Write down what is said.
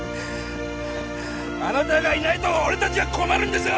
あなたがいないと俺達は困るんですよ！